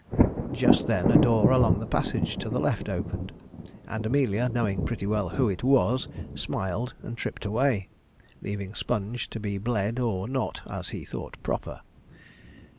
Just then a door along the passage to the left opened; and Amelia, knowing pretty well who it was, smiled and tripped away, leaving Sponge to be bled or not as he thought proper.